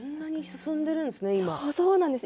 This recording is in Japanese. そうなんです。